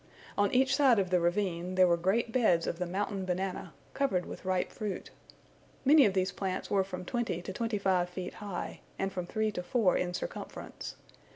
On each side of the ravine there were great beds of the mountain banana, covered with ripe fruit. Many of these plants were from twenty to twenty five feet high, and from three to four in circumference.